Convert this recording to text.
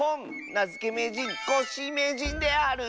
なづけめいじんコッシーめいじんである。